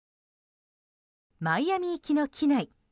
マイアミ行きの機内。